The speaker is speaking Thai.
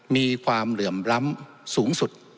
มีความเหลื่อมล้ำสูงสุด